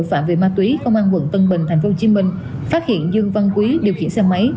phạm về ma túy công an quận tân bình tp hcm phát hiện dương văn quý điều khiển xe máy